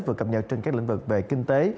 vừa cập nhật trên các lĩnh vực về kinh tế